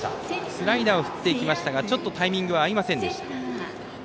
スライダーを振っていきましたがタイミングが合いませんでした。